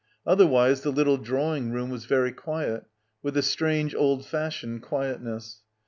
Otherwise the little drawing room was very quiet, with a strange old fashioned quietness.